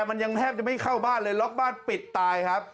มันยังแทบจะไม่เข้าบ้านเลยล็อกบ้านปิดตายครับ